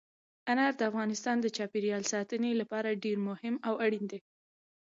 انار د افغانستان د چاپیریال ساتنې لپاره ډېر مهم او اړین دي.